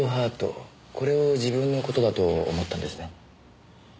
これを自分の事だと思ったんですね。